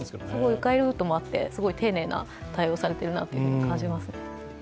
う回ルートもあってすごい丁寧な対応をされているなと感じます。